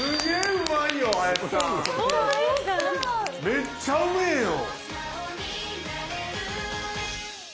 めっちゃうめえよ！